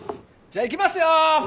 じゃあいきますよ。